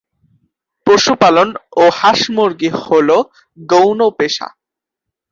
পশুপালন ও হাঁস-মুরগি হ'ল গৌণ পেশা।